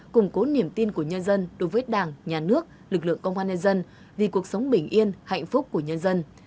củng cố niềm tin của nhân dân đối với đảng nhà nước lực lượng công an nhân dân vì cuộc sống bình yên hạnh phúc của nhân dân